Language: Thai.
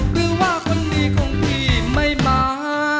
คือว่าคนดีของพี่ไม่มา